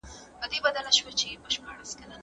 د سوچه پښتو لغتونه زموږ د کلتور پانګه ده